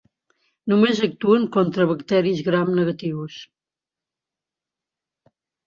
Només actuen contra bacteris gram negatius.